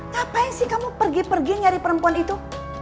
capek sih kamu pergi pergi nyari perempuan itu